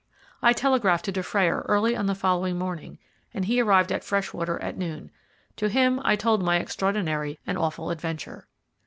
I telegraphed to Dufrayer early on the following morning, and he arrived at Freshwater at noon. To him I told my extraordinary and awful adventure.